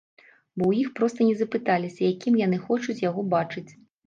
Бо ў іх проста не запыталіся, якім яны хочуць яго бачыць.